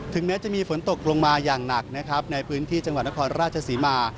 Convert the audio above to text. แม้จะมีฝนตกลงมาอย่างหนักนะครับในพื้นที่จังหวัดนครราชศรีมา